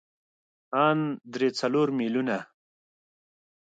ان درې څلور ميليونه.